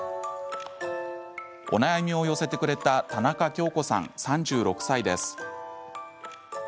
お悩みを寄せてくれた田中京子さん、３６歳です。